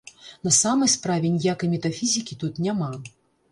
На самай справе, ніякай метафізікі тут няма.